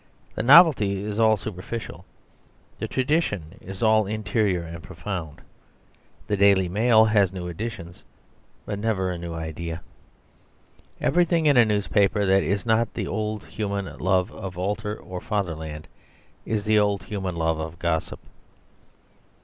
The novelty is all superficial; the tradition is all interior and profound. The DAILY MAIL has new editions, but never a new idea. Everything in a newspaper that is not the old human love of altar or fatherland is the old human love of gossip.